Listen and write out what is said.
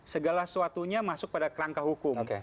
segala sesuatunya masuk pada kerangka hukum